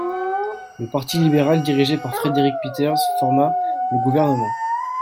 Le parti libéral dirigé par Frederick Peters formât le gouvernement.